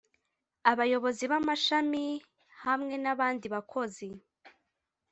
abayobozi b’amashami hamwe n’abandi bakozi